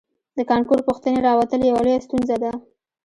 د کانکور پوښتنې راوتل یوه لویه ستونزه ده